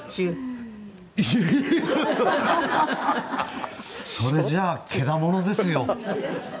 「いや！それじゃあけだものですよ」